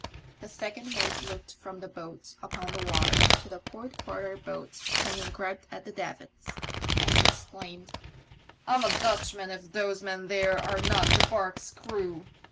The second mate looked from the boat upon the water to the port quarter boat hanging griped at the davits, and exclaimed, " I'm a Dutchman if those men there are not the barque's crew